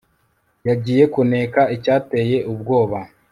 Yagiye kuneka icyateye ubwoba